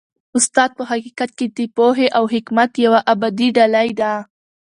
استاد په حقیقت کي د پوهې او حکمت یوه ابدي ډالۍ ده.